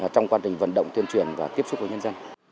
trong quá trình vận động tuyên truyền và tiếp xúc của nhân dân